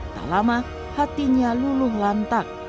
tak lama hatinya luluh lantak